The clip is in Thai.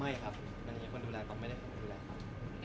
ไม่ครับวันนี้คนดูแลเขาไม่ได้ดูแลครับ